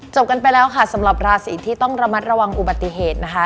กันไปแล้วค่ะสำหรับราศีที่ต้องระมัดระวังอุบัติเหตุนะคะ